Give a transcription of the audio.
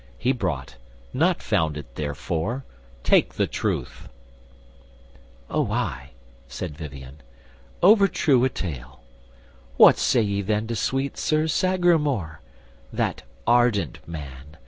He brought, not found it therefore: take the truth." "O ay," said Vivien, "overtrue a tale. What say ye then to sweet Sir Sagramore, That ardent man?